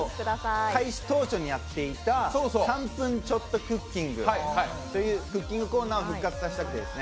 開始当初にやっていた「３分ちょっとクッキング」というクッキングコーナーを復活させたく。